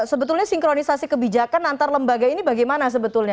sebetulnya sinkronisasi kebijakan antar lembaga ini bagaimana sebetulnya